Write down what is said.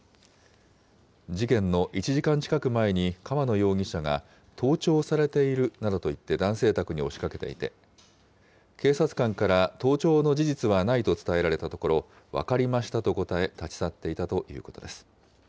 事件の１時間近く前に、川野容疑者が盗聴されているなどと言って、男性宅に押しかけていて、警察官から盗聴の事実はないと伝えられたところ、分かりましたと答え、立ち去っていたということです。